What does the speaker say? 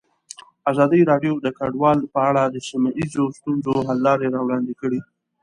ازادي راډیو د کډوال په اړه د سیمه ییزو ستونزو حل لارې راوړاندې کړې.